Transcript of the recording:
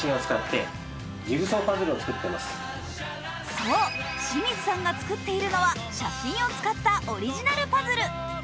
そう、清水さんが作っているのは写真を使ったオリジナルパズル。